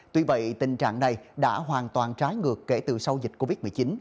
tuy vậy tình trạng này đã hoàn toàn trái ngược kể từ sau dịch covid một mươi chín